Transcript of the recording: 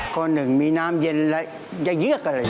ข้อหนึ่งมีน้ำเย็นและเยือกกันเลย